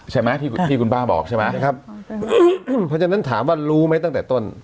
ใช่ไหมที่ที่คุณป้าบอกใช่ไหมใช่ครับเพราะฉะนั้นถามว่ารู้ไหมตั้งแต่ต้น